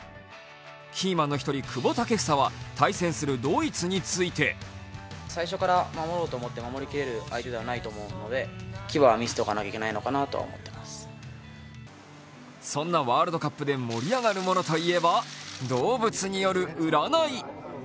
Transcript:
キーマンの１人、久保建英は対戦するドイツについてそんなワールドカップで盛り上がるものといえば動物による占い。